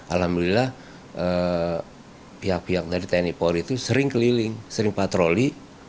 alhamdulillah pihak pihak dari tni polri itu sering keliling sering patroli